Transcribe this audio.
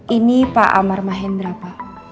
ini pak amar mahendra pak